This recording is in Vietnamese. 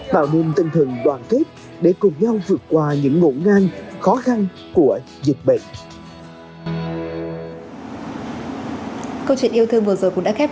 tạo nên tinh thần đoàn kết để cùng nhau vượt qua những ngổn ngang khó khăn của dịch bệnh